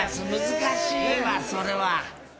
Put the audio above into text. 難しいわそれは。